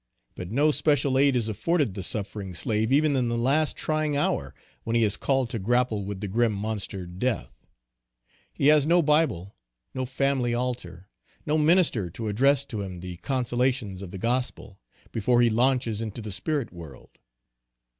But no special aid is afforded the suffering slave even in the last trying hour, when he is called to grapple with the grim monster death. He has no Bible, no family altar, no minister to address to him the consolations of the gospel, before he launches into the spirit world.